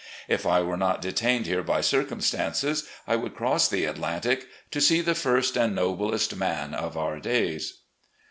If I were not detained here by circum stances, I would cross the Atlantic to see the first and noblest man of our days."